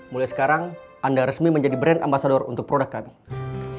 mulai sekarang anda resmi menjadi brand ambasador untuk produk kami